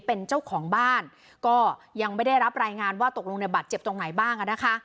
เป็นเจ้าของบ้านก็ยังไม่ได้รับรายงานว่าตกลงในบาดเจ็บตรงไหนบ้างอ่ะนะคะ